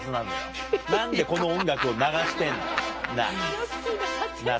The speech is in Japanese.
何でこの音楽を流してんの？なぁ。